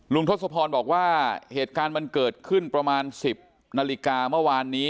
ทศพรบอกว่าเหตุการณ์มันเกิดขึ้นประมาณ๑๐นาฬิกาเมื่อวานนี้